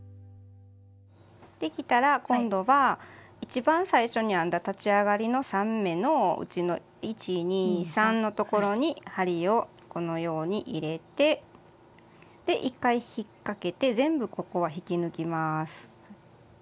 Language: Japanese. できたら今度は一番最初に編んだ立ち上がりの３目のうちの１２３のところに針をこのように入れて１回引っ掛けて全部ここは引き抜きます。